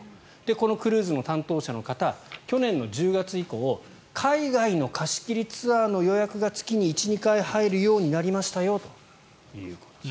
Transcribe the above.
このクルーズの担当者の方去年１０月以降海外の貸し切りツアーの予約が月に１２回入るようになりましたよということです。